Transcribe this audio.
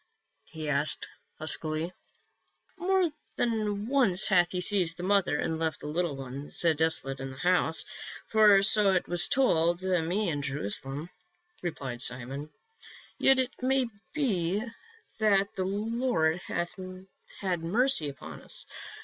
he asked huskily. " More than once hath he seized the mother and left the little ones desolate in the house — for so it was told me in Jerusalem," replied Simon. "Yet it may be that the Lord hath had mercy upon us.